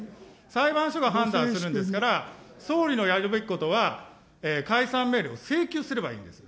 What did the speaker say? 裁判所が判断するんですから、総理のやるべきことは、解散命令を請求すればいいんです。